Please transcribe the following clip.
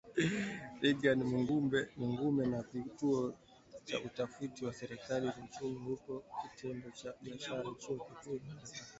Reagan Mugume wa Kituo cha Utafiti wa Sera za Uchumi, yupo Kitengo cha Biashara Chuo Kikuu cha Makerere